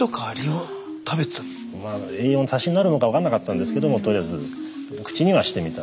まあ栄養の足しになるのか分からなかったんですけどもとりあえず口にはしてみた。